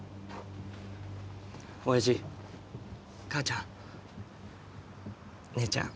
親父母ちゃん姉ちゃん